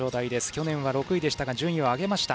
去年は６位でしたが順位を上げました。